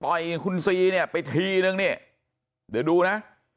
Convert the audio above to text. คุณซีเนี่ยไปทีนึงเนี่ยเดี๋ยวดูนะ